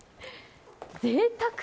ぜいたく！